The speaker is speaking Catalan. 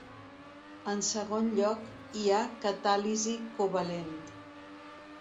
En segon lloc hi ha catàlisi covalent.